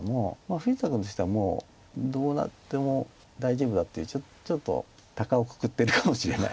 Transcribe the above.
富士田君としてはもうどうなっても大丈夫だっていうちょっとたかをくくってるかもしれない。